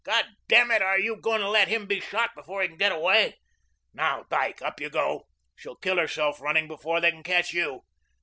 God damn it, are you going to let him be shot before he can get away? Now, Dyke, up you go. She'll kill herself running before they can catch you."